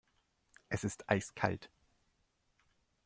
Es ist eiskalt.